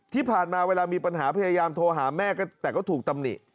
ที่ผ่านมาเวลามีปัญหาพยายามโทรหาแม่แต่ก็ถูกตำหนิ